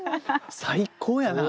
最高やな。